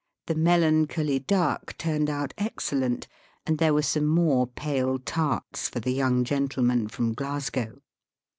The melancholy duck turned out ex cellent, and there were some more pale tarts for the young gentleman from Glasgow.